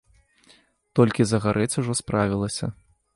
Толькі загарэць ужо справілася.